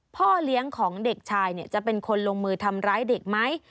พ่อเลี้ยงของเด็กชายจะเป็นคนลงมือทำร้ายเด็กไหม